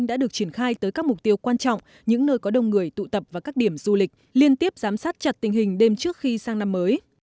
đã được triển khai tới các mục tiêu quan trọng những nơi có đông người tụ tập và các điểm du lịch liên tiếp giám sát chặt tình hình đêm trước khi sang năm mới